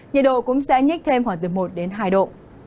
nhiệt độ cũng sẽ nhích thêm khoảng từ một đến hai độ